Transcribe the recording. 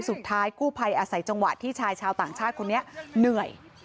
สุดท้ายกู้ภัยอาศัยจังหวะที่ชายชาวต่างชาติคนนี้เหนื่อย